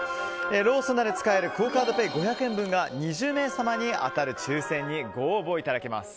ローソンなどで使えるクオ・カードペイ５００円分が２０名様に当たる抽選にご応募いただけます。